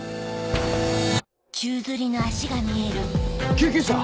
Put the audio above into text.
救急車！